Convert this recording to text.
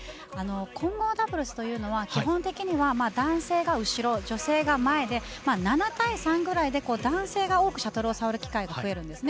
混合ダブルスは基本的には男性が後ろ、女性が前で７対３ぐらいで男性が多くシャトルを触る機会が増えるんです。